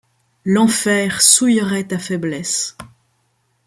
L'enfer souillerait ta faiblesse.